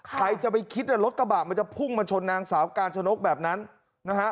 ใครจะไปคิดรถกระบะมันจะพุ่งมาชนนางสาวกาญชนกแบบนั้นนะฮะ